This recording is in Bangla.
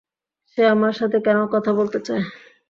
সে আমার সাথে কেন কথা বলতে চায়?